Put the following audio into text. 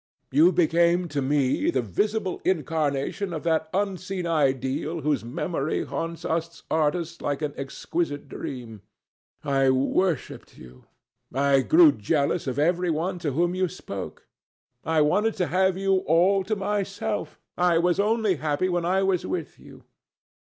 You became to me the visible incarnation of that unseen ideal whose memory haunts us artists like an exquisite dream. I worshipped you. I grew jealous of every one to whom you spoke. I wanted to have you all to myself. I was only happy when I was with you.